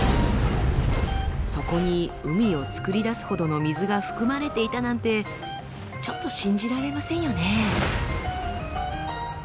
そこに海をつくり出すほどの水が含まれていたなんてちょっと信じられませんよね。